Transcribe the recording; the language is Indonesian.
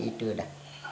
dan itu sudah